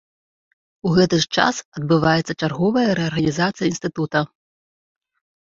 У гэты ж час адбываецца чарговая рэарганізацыя інстытута.